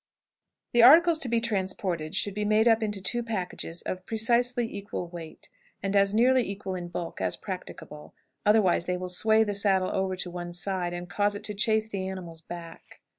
The articles to be transported should be made up into two packages of precisely equal weight, and as nearly equal in bulk as practicable, otherwise they will sway the saddle over to one side, and cause it to chafe the animal's back.